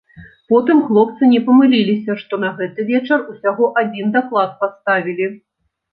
Потым хлопцы не памыліліся, што на гэты вечар усяго адзін даклад паставілі.